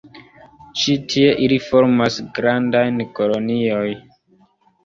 Ĉi tie ili formas grandajn kolonioj.